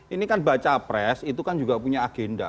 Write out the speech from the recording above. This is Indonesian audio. ini kan baca pres itu kan juga punya agenda